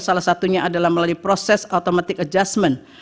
salah satunya adalah melalui proses automatic adjustment